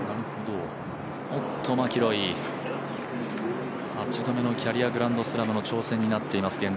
おっとマキロイ、９度目のキャリアグランドスラムの挑戦になっています